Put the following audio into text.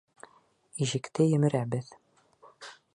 Ишекте емерәбеҙ!